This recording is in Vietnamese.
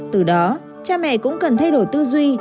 từ đó cha mẹ cũng cần thay đổi tư duy